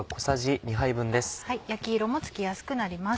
焼き色もつきやすくなります。